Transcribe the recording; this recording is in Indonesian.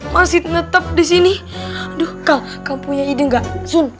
masih ternyata f chops